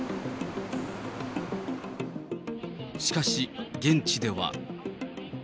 しかし、現地では。